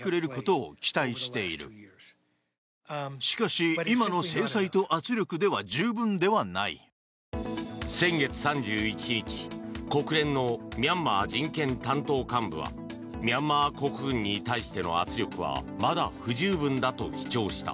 そんな中強硬的な姿勢を崩さない国軍と先月３１日、国連のミャンマー人権担当幹部はミャンマー国軍に対しての圧力はまだ不十分だと主張した。